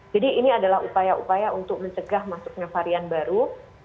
jadi ini adalah upaya upaya untuk mencegah masuknya varian baru